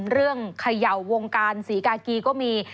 เรื่องเขย่าวงการสีกากีก็มี